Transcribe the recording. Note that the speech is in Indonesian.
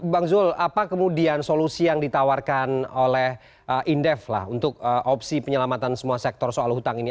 bang zul apa kemudian solusi yang ditawarkan oleh indef lah untuk opsi penyelamatan semua sektor soal hutang ini